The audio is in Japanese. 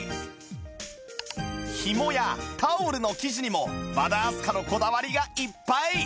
ひもやタオルの生地にも和田明日香のこだわりがいっぱい